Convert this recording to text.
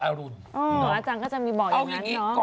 อาจารย์ก็จะมีบอกอย่างนั้นเนาะ